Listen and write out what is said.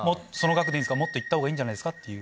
もっと行ったほうがいいんじゃないですかっていう。